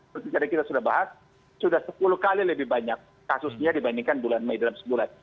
seperti tadi kita sudah bahas sudah sepuluh kali lebih banyak kasusnya dibandingkan bulan mei dalam sebulan